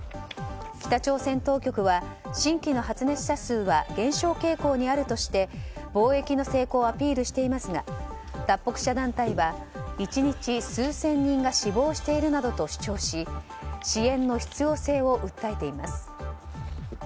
北朝鮮当局は、新規の発熱者数は減少傾向にあるとして防疫の成功をアピールしていますが脱北者団体は１日数千人が死亡しているなどと主張し支援の必要性を訴えています。